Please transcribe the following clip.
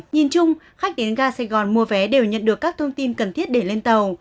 nhìn chung khách đến ga sài gòn mua vé đều nhận được các thông tin cần thiết để lên tàu